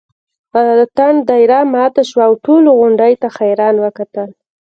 اتڼ دایره ماته شوه او ټولو غونډۍ ته حیران وکتل.